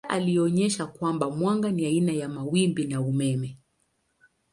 Pia alionyesha kwamba mwanga ni aina ya mawimbi ya umeme.